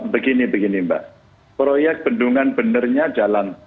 begini begini mbak proyek bendungan benernya jalan